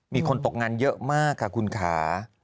มีคนตกงานเยอะมากค่ะคุณค่ะ